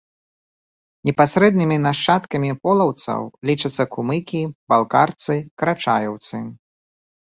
Непасрэднымі нашчадкамі полаўцаў лічацца кумыкі, балкарцы, карачаеўцы.